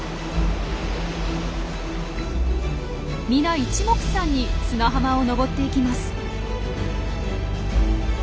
皆いちもくさんに砂浜を上っていきます。